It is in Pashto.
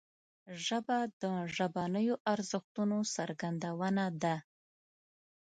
ژبه د ژبنیو ارزښتونو څرګندونه ده